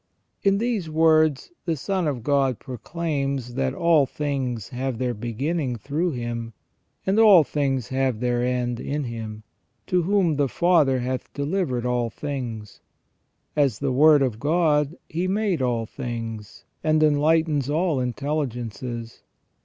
In these words the Son of God proclaims that all things have their beginning through Him, and all things have their end in Him, to whom the Father hath delivered all things. As the Word of God He made all things, and enlightens all intelli gences.